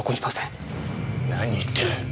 何言ってる。